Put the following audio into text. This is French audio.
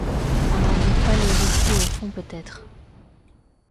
On n'allait pas les laisser au fond, peut-être!